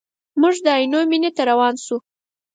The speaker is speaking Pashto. موږ د عینو مینې ته روان شوو.